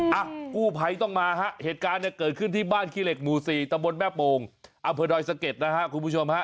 โอ๊ยอ่ะกู้พัยต้องมาฮะเหตุการณ์เนี่ยเกิดขึ้นที่บ้านคิเลศหมู่๔ตำบลแม่โปงอเวดอยด์สเกร็จนะคะคุณผู้ชมฮะ